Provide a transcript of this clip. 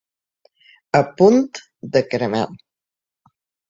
A punt de caramel.